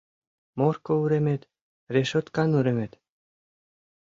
Морко уремет — решоткан уремет